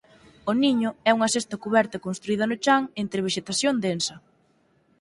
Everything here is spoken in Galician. O niño é unha cesta cuberta construída no chan entre vexetación densa.